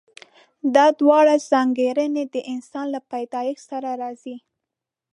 دا دواړه ځانګړنې د انسان له پيدايښت سره راځي.